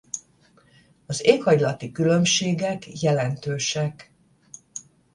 Az éghajlati különbségek jelentősek.